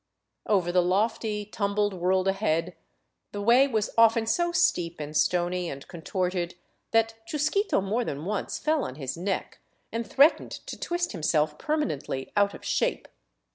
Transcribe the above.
Over the lofty, tumbled world ahead the way was often so steep and 372 OVERLAND TOWARD CUZCO stony and contorted that Chusquito more than once fell on his neck, and threatened to twist himself permanently out of shape.